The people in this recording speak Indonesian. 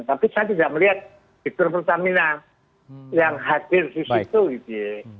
tapi saya tidak melihat diperpertamina yang hadir di situ